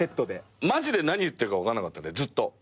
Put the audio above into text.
マジで何言ってるか分かんなかったんでずっと。